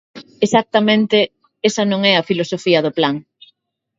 Exactamente, esa non é a filosofía do plan.